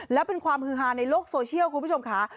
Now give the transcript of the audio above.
แล้วเป็นความฮือฮาในโลกโซเชียลคุณผู้ชมค่ะ